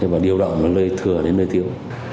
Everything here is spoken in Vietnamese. và điều đạo lời thừa đến lời tiêu